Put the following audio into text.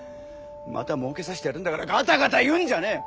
またもうけさせてやるんだからガタガタ言うんじゃねえ！